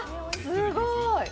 すごい。